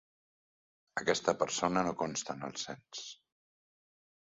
Aquesta persona no consta en el cens.